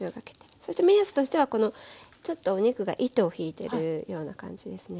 そして目安としてはこのちょっとお肉が糸を引いてるような感じですね